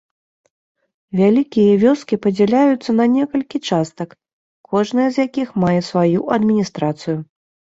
Вялікія вёскі падзяляюцца не некалькі частак, кожная з якіх мае сваю адміністрацыю.